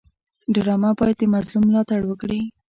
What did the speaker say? ډرامه باید د مظلوم ملاتړ وکړي